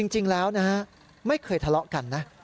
จริงแล้วนะฮะไม่เคยทะเลาะกันนะ